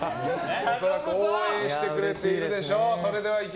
恐らく応援してくれているでしょう。